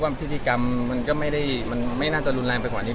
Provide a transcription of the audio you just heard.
ว่าพิธีกรรมว่ามันก็ไม่ชาติไปกว่านี้